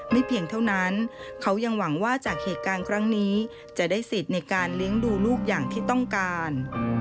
เพียงเท่านั้นเขายังหวังว่าจากเหตุการณ์ครั้งนี้จะได้สิทธิ์ในการเลี้ยงดูลูกอย่างที่ต้องการ